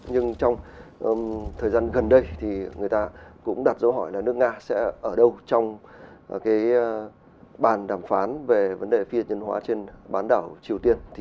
nhưng trong thời gian gần đây thì người ta cũng đặt dấu hỏi là nước nga sẽ ở đâu trong bàn đàm phán về vấn đề phi hạt nhân hóa trên bán đảo triều tiên